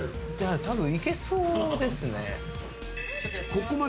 たぶんいけそうですね。